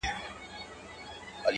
ستا هغه رنگين تصوير،